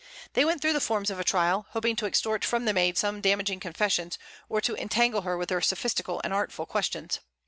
They went through the forms of trial, hoping to extort from the Maid some damaging confessions, or to entangle her with their sophistical and artful questions.